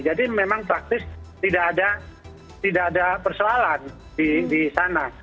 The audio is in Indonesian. memang praktis tidak ada persoalan di sana